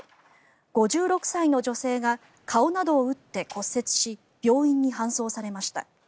５６歳の女性が顔などを打って骨折し病院に搬送されました。